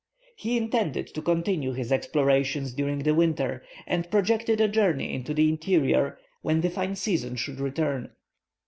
He intended to continue his explorations during the winter, and projected a journey into the interior, when the fine season should return.